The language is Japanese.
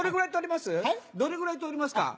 どれぐらい採ります？